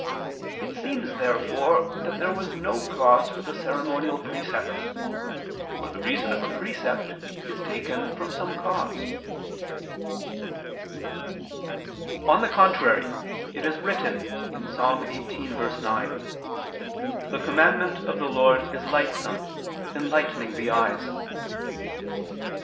It seems therefore that there was no cause for the ceremonial precepts: for the reason of a precept is taken from some cause. On the contrary, It is written (Ps. 18:9): "The commandment of the Lord is lightsome, enlightening the eyes."